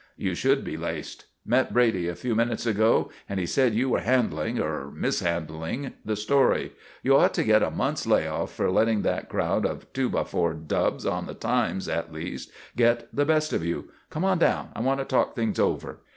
You should be laced. Met Brady a few minutes ago and he said you were handling or mishandling the story. You ought to get a month's lay off for letting that crowd of two by four dubs, on the Times at least, get the best of you. Come on down. I want to talk things over."